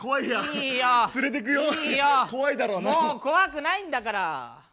いいよもう怖くないんだから。